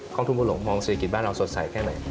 กองทุนบุหลวงมองศรีกิจบ้านเราสดใสแค่ไหม